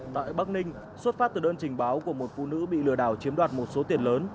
tại bắc ninh xuất phát từ đơn trình báo của một phụ nữ bị lừa đảo chiếm đoạt một số tiền lớn